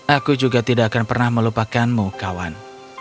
aku juga tidak akan pernah melupakanmu kawan